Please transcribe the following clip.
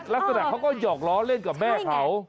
แล้วสุดท้ายเขาก็หยอกล้อเล่นกับแม่เขา